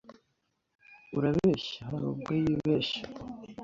urabeshya hari ubwo yibeshya